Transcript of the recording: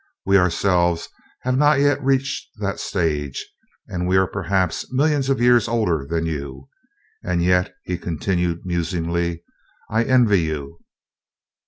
We ourselves have not yet reached that stage, and we are perhaps millions of years older than you. And yet," he continued musingly, "I envy you.